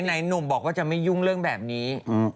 ไหนหนุ่มบอกว่าจะไม่ยุ่งเรื่องแบบนี้